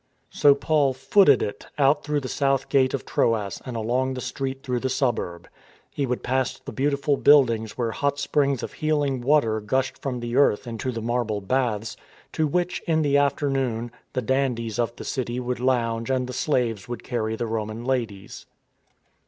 So Paul footed it ^ out through the south gate of Troas and along the street through the suburb. He would pass the beautiful buildings where hot springs of healing water gushed from the earth into the marble baths, to which, in the afternoon, the dandies of the city would lounge and the slaves would carry the Roman ladies.